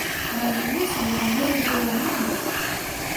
Разносілі па горадзе ў адну ноч.